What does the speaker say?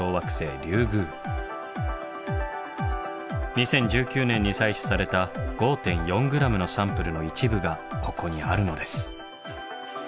２０１９年に採取された５．４ｇのサンプルの一部がここにあるのです。